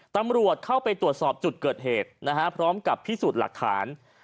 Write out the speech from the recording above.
ตำรวจเข้าไปตรวจสอบจุดเกิดเหตุนะฮะพร้อมกับพิสูจน์หลักฐาน